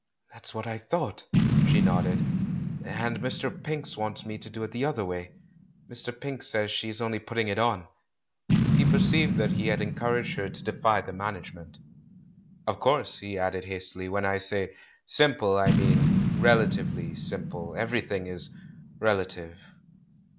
"That's what I thought!" she nodded, "and Mr. Pink wants me to do it the other way — Mr. Pink says she is only putting it on." He perceived that he had encouraged her to defy the management. "Of course," he added hastily, "when I say 'simple,' I mean relatively simple — everything is relative."